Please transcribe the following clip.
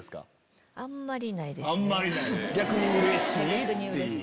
逆にうれしい？